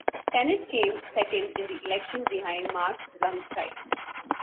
Tennet came second in the election behind Mark Blumsky.